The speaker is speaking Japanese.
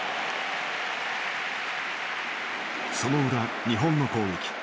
その裏日本の攻撃。